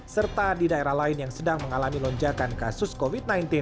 serta di daerah lain yang sedang mengalami lonjakan kasus covid sembilan belas